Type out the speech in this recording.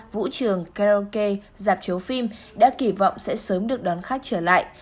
vũ trường karaoke dạp triệu phim đã kỳ vọng sẽ sớm được đón khách trở lại